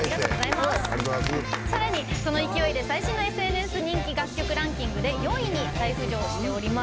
さらに、その勢いで最新のＳＮＳ人気楽曲ランキングで４位に再浮上しております。